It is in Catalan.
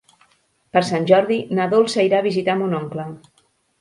Per Sant Jordi na Dolça irà a visitar mon oncle.